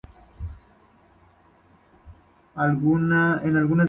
En algunas versiones modernas aparece como abogado.